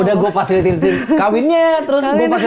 udah gue fasilitin kawinnya terus gue fasilitin cerainya